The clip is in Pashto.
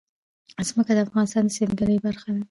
ځمکه د افغانستان د سیلګرۍ برخه ده.